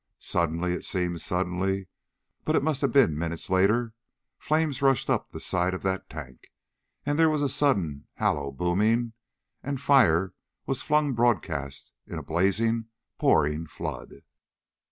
Suddenly it seemed suddenly, but it must have been minutes later flame rushed up the sides of that tank, there was a sudden hollow booming, and fire was flung broadcast in a blazing, pouring flood.